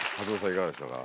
いかがでしたか？